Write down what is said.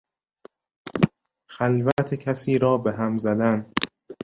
خلوت کسی را به هم زدن